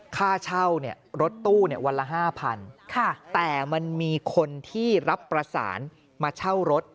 ค่าเช่ารถตู้วันละ๕๐๐แต่มันมีคนที่รับประสานมาเช่ารถ